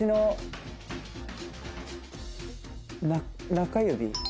中指？